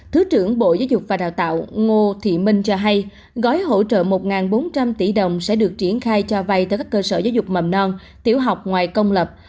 thứ trưởng bộ giáo dục và đào tạo ngô thị minh cho hay gói hỗ trợ một bốn trăm linh tỷ đồng sẽ được triển khai cho vay tới các cơ sở giáo dục mầm non tiểu học ngoài công lập